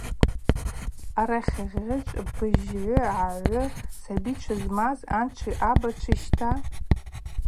Арахьгьычӏв быжьгӏвы-агӏгӏвы сабичва змаз анчви абачви щта.